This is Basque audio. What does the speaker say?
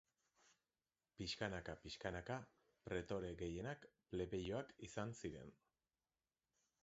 Pixkana-pixkana, pretore gehienak plebeioak izan ziren.